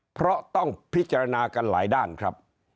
เพราะต้องพิจารณากันหลายด้านครับ